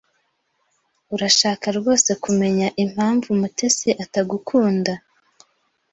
Urashaka rwose kumenya impamvu Mutesi atagukunda?